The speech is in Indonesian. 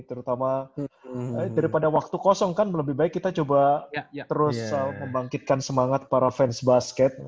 terutama daripada waktu kosong kan lebih baik kita coba terus membangkitkan semangat para fans basket